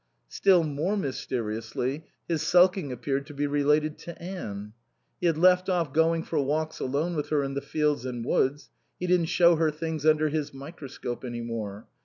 Still more mysteriously, his sulking appeared to be related to Anne. He had left off going for walks alone with her in the fields and woods; he didn't show her things under his microscope any more.